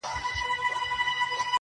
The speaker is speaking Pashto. • او خبري نه ختمېږي هېڅکله,